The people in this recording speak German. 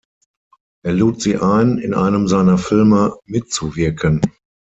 Er lud sie ein, in einem seiner Filme mitzuwirken.